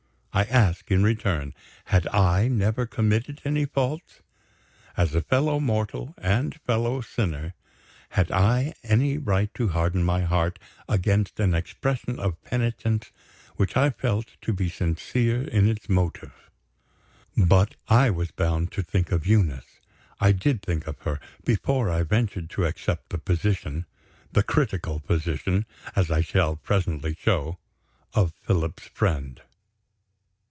I ask, in return, had I never committed any faults? As a fellow mortal and fellow sinner, had I any right to harden my heart against an expression of penitence which I felt to be sincere in its motive? But I was bound to think of Eunice. I did think of her, before I ventured to accept the position the critical position, as I shall presently show of Philip's friend.